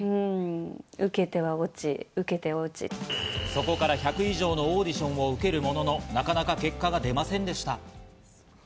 そこから１００以上のオーディションを受けるものの、なかなか結果が出ませんでした。